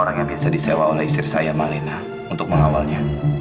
makanan jatah ayam saya buat bapak aja